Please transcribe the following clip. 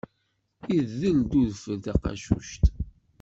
Idel-d udfel taqacuct.